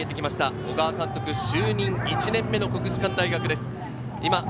小川監督就任１年目の国士舘大学です。